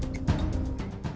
tim liputan tv indonesia